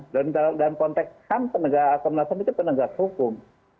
dalam konteks kan pendegakan hukum itu pendegak hukum